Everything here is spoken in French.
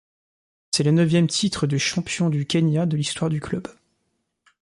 C'est le neuvième titre de champion du Kenya de l'histoire du club.